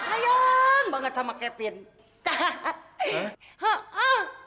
sayang banget sama kevin